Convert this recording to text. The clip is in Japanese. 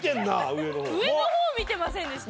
上の方見てませんでした？